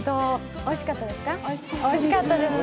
おいしかったですね。